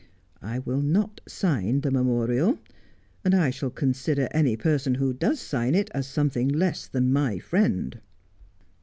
I will not sign the memorial, and I shall consider any person who does sign it as something less than my friend.'